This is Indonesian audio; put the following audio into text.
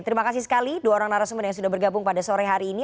terima kasih sekali dua orang narasumber yang sudah bergabung pada sore hari ini